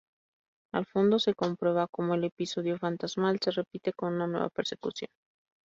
Al fondo se comprueba cómo el episodio fantasmal se repite con una nueva persecución.